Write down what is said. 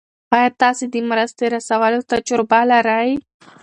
آیا تاسو د مرستې رسولو تجربه لرئ؟